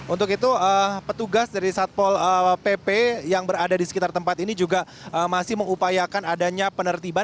untuk itu petugas dari satpol pp yang berada di sekitar tempat ini juga masih mengupayakan adanya penertiban